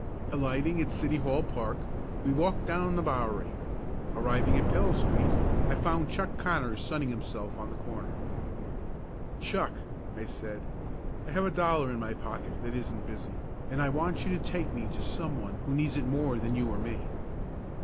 Alighting at City Hall Park, we walked down the Bowery. Arriving at Pell Street, I found Chuck Connors sunning himself on the corner. "Chuck," I said, "I have a dollar in my pocket that isn't busy, and I want you to take me to some one who needs it more than you or me."